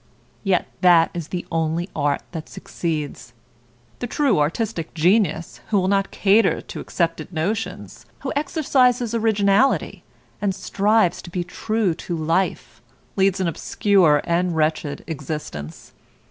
Yet that is the only art that succeeds. The true artistic genius, who will not cater to accepted notions, who exercises originality, and strives to be true to life, leads an obscure and wretched existence.